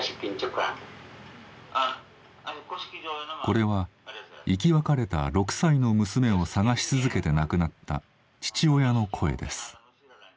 これは生き別れた６歳の娘を捜し続けて亡くなった父親の声です。